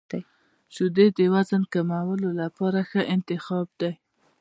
• شیدې د وزن کمولو لپاره ښه انتخاب دي.